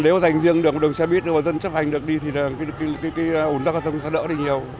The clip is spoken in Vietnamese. nếu dành riêng được đường xe buýt và dân chấp hành được đi thì ủn tắc sẽ đỡ nhiều